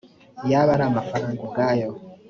yaba ari amafaranga ubwayo